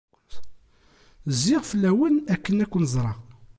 Zziɣ fell-awen akken ad ken-ẓreɣ.